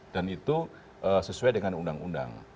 dan itu sesuai dengan undang undang